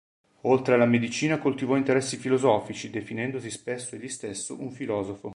Oltre alla medicina coltivò interessi filosofici, definendosi spesso egli stesso un filosofo.